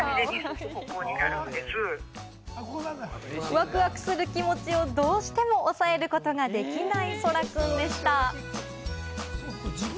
ワクワクする気持ちをどうしても抑えることができない空くんでした。